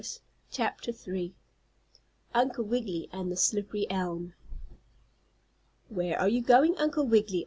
STORY III UNCLE WIGGILY AND THE SLIPPERY ELM "Where are you going, Uncle Wiggily?"